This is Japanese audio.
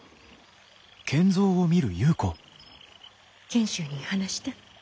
賢秀に話した？